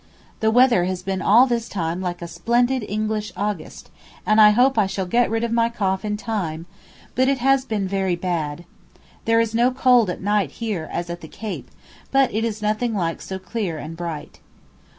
The weather has been all this time like a splendid English August, and I hope I shall get rid of my cough in time, but it has been very bad. There is no cold at night here as at the Cape, but it is nothing like so clear and bright.